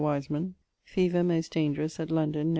Wiseman. Fever, most dangerous, at London Nov.